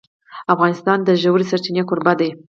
افغانستان د ژورې سرچینې کوربه دی.